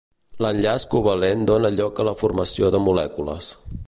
L'enllaç covalent dóna lloc a la formació de molècules.